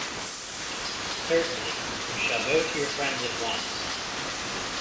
Certainly; you shall go to your friends at once.